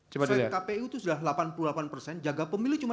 slide kpu itu sudah delapan puluh delapan jaga pemilih cuma lima puluh